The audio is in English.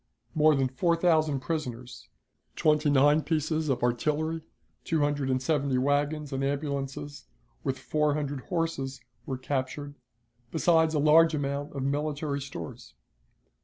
More than four thousand prisoners, twenty nine pieces of artillery, two hundred and seventy wagons and ambulances, with four hundred horses, were captured, besides a large amount of military stores.